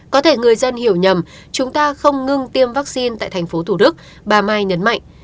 có thể người dân hiểu nhầm chúng ta không ngưng tiêm vaccine tại tp hcm bà mai nhấn mạnh